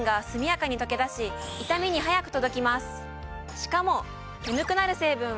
しかも。